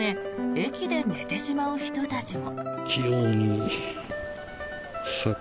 駅で寝てしまう人たちも。